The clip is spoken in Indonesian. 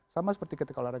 sama seperti ketika olahraga